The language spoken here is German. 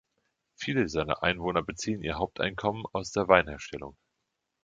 Viele seiner Einwohner beziehen ihr Haupteinkommen aus der Weinherstellung.